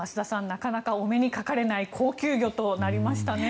なかなかお目にかかれない高級魚となりましたね。